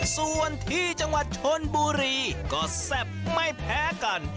ส่วนที่จังหวัดชนบุรีก็แซ่บไม่แพ้กัน